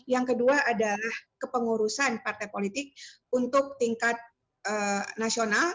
yang kedua adalah kepengurusan partai politik untuk tingkat nasional